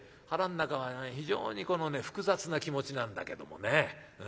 腹ん中は非常にこのね複雑な気持ちなんだけどもね。